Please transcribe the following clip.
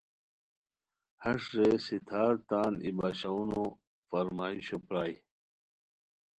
ہش رے ستھارتان ای باشونو فرمائشو پرائے